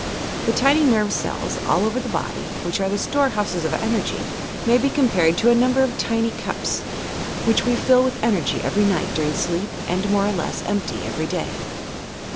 The tiny nerve cells, all over the body, which are the storehouses of enei^y, may be compared to a number of tiny cups, which we fill with energy every night during sleep and more or less empty every day.